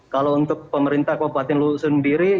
kalau untuk pemerintah kabupaten luhut sendiri